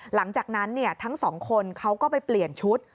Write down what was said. หลังจากนั้นทั้งสองคนเขาก็ไปเปลี่ยนชุด